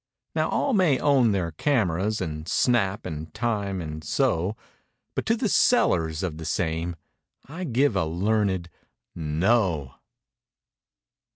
Now all may own their cameras And "snap" and "time" and so But to the sellers of the same I give a learned—"No!"